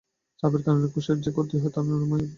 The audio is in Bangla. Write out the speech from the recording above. চাপের কারণে কোষের যে ক্ষতি হয়, তা নিরাময়ের কাজ করে কলা।